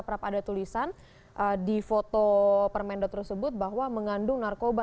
prap ada tulisan di foto permendat tersebut bahwa mengandung narkoba